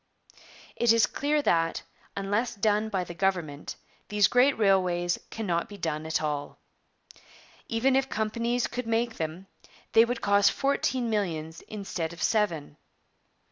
'It is clear that, unless done by the government, these great railways cannot be done at all. Even if companies could make them, they would cost fourteen millions instead of seven.